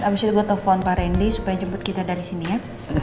abis itu gue telepon pak randy supaya jemput kita dari sini ya